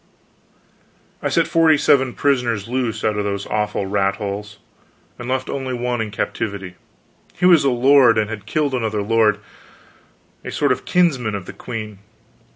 I set forty seven prisoners loose out of those awful rat holes, and left only one in captivity. He was a lord, and had killed another lord, a sort of kinsman of the queen.